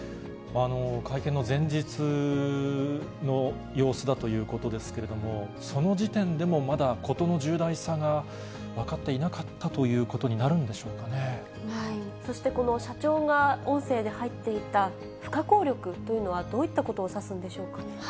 会見の前日の様子だということですけれども、その時点でもまだ、ことの重大さが分かっていなかったということになるんでしょうかそしてこの社長が、音声で入っていた不可抗力とは、どういったことを指すんでしょう